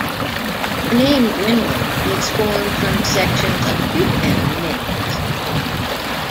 The name Grinling is formed from sections of two family names.